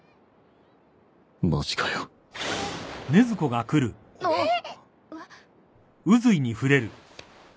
マジかよえっ？